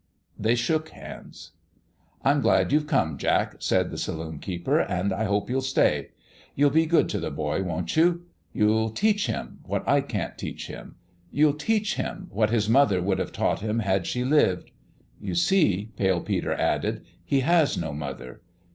They shook hands. "I'm glad you've come, Jack," said the saloon keeper, " and I hope you'll stay. You'll be good to the boy, won't you? You'll teach him what I can't teach him? You'll teach him what his mother would have taught him had she lived ? You see," Pale Peter added, " he has no mother.